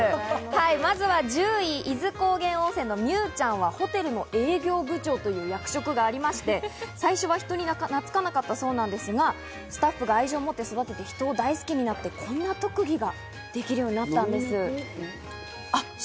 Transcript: まずは１０位、伊豆高原温泉のミュウちゃんはホテルの営業部長という役職がありまして、最初は人になかなか懐かなかったそうなんですが、スタッフが愛情を持って育てることで人を大好きになり、こんな特技ができるようになったんです。